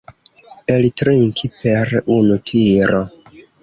Eltrinki per unu tiro.